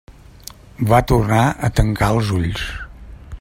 Va tornar a tancar els ulls.